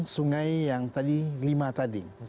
sungai yang tadi lima tadi